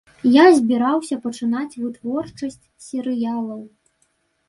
Я збіраўся пачынаць вытворчасць серыялаў.